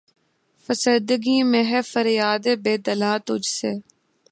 فسردگی میں ہے فریادِ بے دلاں تجھ سے